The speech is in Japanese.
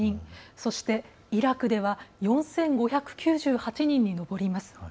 そして、イラクでは４５９８人に上ります。